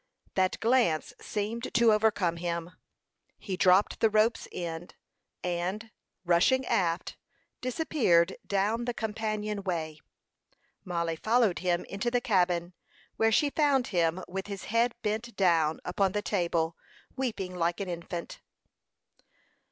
That glance seemed to overcome him; he dropped the rope's end, and, rushing aft, disappeared down the companion way. Mollie followed him into the cabin, where she found him with his head bent down upon the table, weeping like an infant.